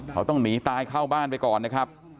เขาต้องหนีตายเข้าบ้านไปก่อนนะครับ